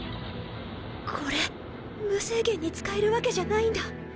これ無制限に使えるわけじゃないんだ